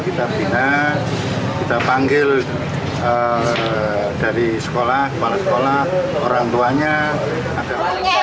kita bina kita panggil dari sekolah kepala sekolah orang tuanya ada